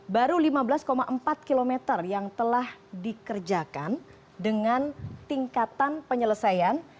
baru lima belas empat km yang telah dikerjakan dengan tingkatan penyelesaian